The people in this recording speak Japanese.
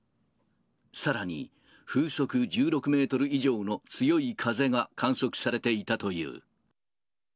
さらに風速１６メートル以上の強い風が観測されていたという。